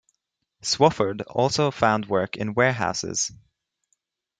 Swofford also found work in warehouses.